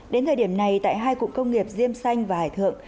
đến thời điểm này tại hai cụm công nghiệp diêm xanh và hải thượng